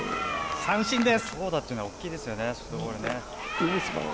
三振です。